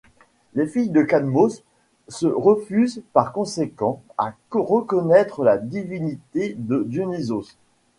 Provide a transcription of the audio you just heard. Les filles de Cadmos se refusent par conséquent à reconnaître la divinité de Dionysos.